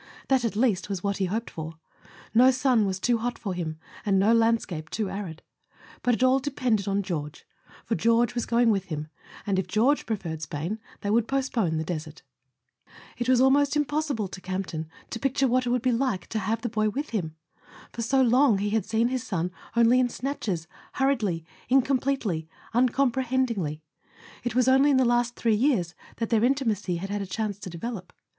That at least was what he hoped for: no sun was too hot for him and no landscape too arid. But it all depended on George; for George was going with him, and if George preferred Spain they would postpone the desert. It was almost impossible to Campton to picture what it would be like to have the boy with him. For so long he had seen his son only in snatches, hurriedly, incompletely, uncomprehendingly: it was only in the last three years that their intimacy had had a chance to develop.